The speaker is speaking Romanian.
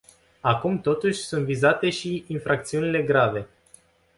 Acum, totuși, sunt vizate și infracțiunile grave.